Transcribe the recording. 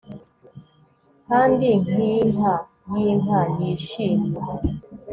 kandi nkinka yinka yishimye